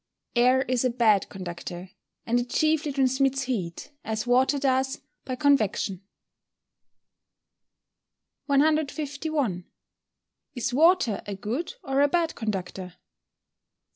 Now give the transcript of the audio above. _ Air is a bad conductor, and it chiefly transmits heat, as water does, by convection. 151. _Is water a good or a bad conductor?